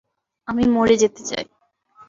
আমি মরে যেতে চাই।